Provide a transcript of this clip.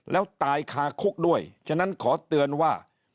แล้วตายคาคุกด้วยฉะนั้นขอเตือนว่า